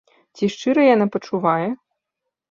Ці шчыра яна пачувае?